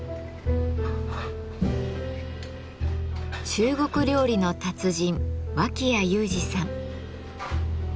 中国料理の達人脇屋友詞さん。